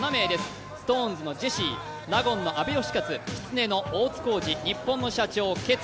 ＳｉｘＴＯＮＥＳのジェシー、納言の安部紀克、きつねの、ニッポンの社長、ケツ。